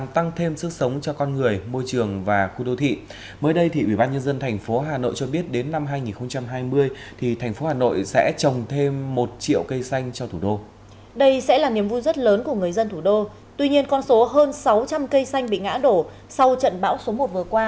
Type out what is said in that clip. tuy nhiên con số hơn sáu trăm linh cây xanh bị ngã đổ sau trận bão số một vừa qua